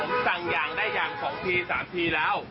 เอ๊ะผมสั่งอย่างได้อย่างสองทีสามทีแล้ว